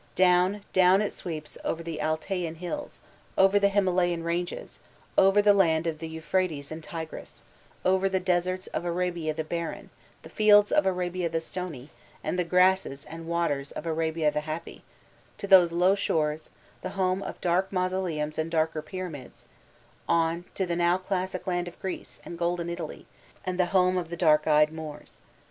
Down, down it sweqw over the Altaian hills, over the Himalayan ranges, over the land of the Euphrates and Tigris, over the deserts of Arabia the barren, the fields of Arabia the stony, and the grasses and waters of Arabia the happy, to those low shores, the home of dark mausoleums and darker pyramids, on to the now classic land of Greece, and golden Italy, and the home of the dark eyed Moors.